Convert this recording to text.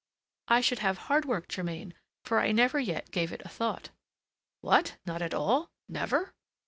"I should have hard work, Germain, for I never yet gave it a thought." "What! not at all? never?"